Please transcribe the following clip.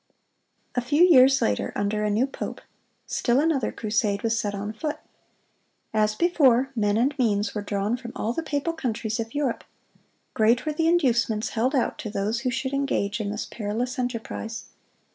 A few years later, under a new pope, still another crusade was set on foot. As before, men and means were drawn from all the papal countries of Europe. Great were the inducements held out to those who should engage in this perilous enterprise.